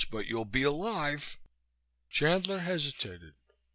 But you'll be alive." Chandler hesitated.